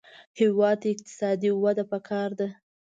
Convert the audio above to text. هېواد ته اقتصادي وده پکار ده